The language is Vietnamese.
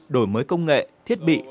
đổi mới công nghệ thiết bị